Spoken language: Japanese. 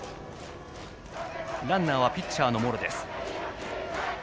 ランナーはピッチャーの茂呂。